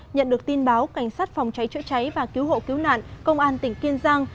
nhận được tin báo cảnh sát phòng cháy chữa cháy và cứu hộ cứu nạn công an tỉnh kiên giang